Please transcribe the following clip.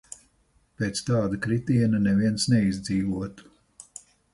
Pēc tāda kritiena neviens neizdzīvotu.